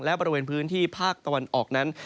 และบริเวณพื้นที่ภาคตะวันออกนั้น